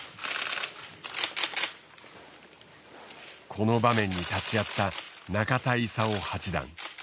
この場面に立ち会った中田功八段。